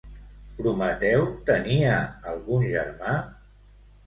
Prometeu tenia algun germà?